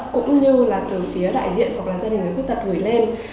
cũng như là từ phía đại diện hoặc là gia đình người khuyết tật gửi lên